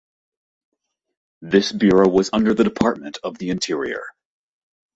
This bureau was under the Department of the Interior.